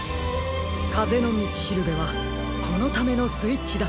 かぜのみちしるべはこのためのスイッチだったのです。